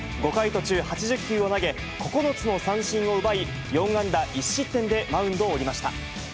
５回途中８０球を投げ、９つの三振を奪い、４安打１失点でマウンドを降りました。